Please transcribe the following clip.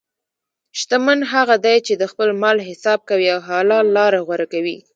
شتمن هغه دی چې د خپل مال حساب کوي او حلال لاره غوره کوي.